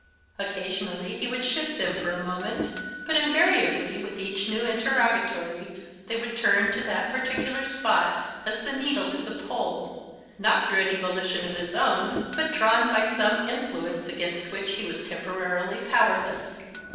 Occasionally he would shift them for a moment, but invariably, with each new interrogatory, they would turn to that particular spot, as the needle to the pole, not through any volition of his own, but drawn by some influence against which he was temporarily powerless.